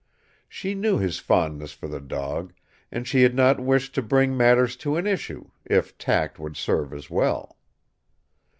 She knew his fondness for the dog and she had not wished to bring matters to an issue, if tact would serve as well.